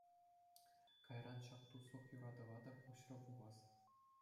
Кайран ҫак туслӑх юратӑва та куҫрӗ пулас.